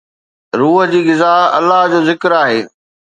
روح جي غذا الله جو ذڪر آهي